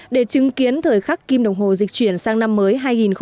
để chứng kiến thời khắc kim đồng hồ dịch chuyển sang năm mới hai nghìn một mươi bảy